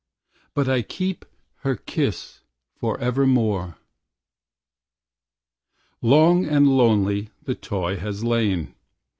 But I keep her kiss forevermore. Long and lonely the toy has lain.